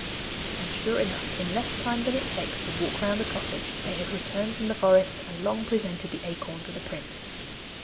And sure enough, in less time than it takes to walk round a cottage, they had returned from the forest, and Long presented the acorn to the prince.